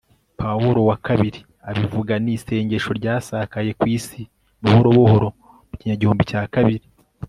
pawulo wa ii abivuga ni isengesho ryasakaye ku isi buhoro buhoro mu kinyagihumbi cya kabiri